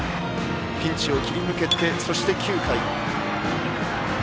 ピンチを切り抜けて９回。